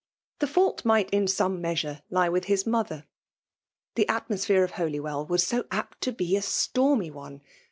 . Tlie findt might in some measure lid with hiv motheic The atmosphere of Holywell was so.a]^t ta.'be a stormy one